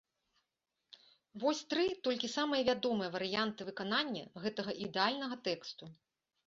Вось тры толькі самыя вядомыя варыянты выканання гэтага ідэальнага тэксту.